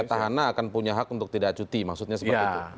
petahana akan punya hak untuk tidak cuti maksudnya seperti itu